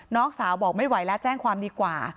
น้องสาวบอกไม่ไหวแล้วแจ้งความดีกว่า